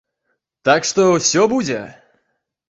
Так што, усё будзе!